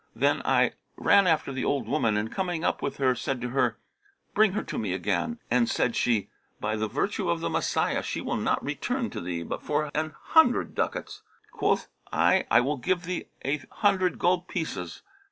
'[FN#31] Then I ran after the old woman and coming up with her said to her, 'Bring her to me again;' and said she, 'By the virtue of the Messiah, she will not return to thee but for an hundred ducats!' Quoth I, 'I will give thee a hundred gold pieces.'